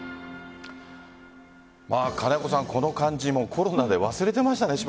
金子さん、この感じコロナで忘れていましたね